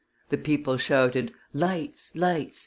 The people shouted, 'Lights! lights!